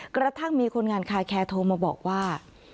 กระทั่งมีคนงานคาแคร์โทรมาบอกว่า